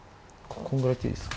こんぐらいやっていいです。